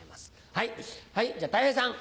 はいじゃあたい平さん。